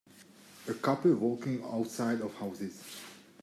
a couple walking outside of houses